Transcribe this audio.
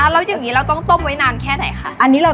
แล้วอย่างนี้เราต้องต้มไว้นานแค่ไหนคะ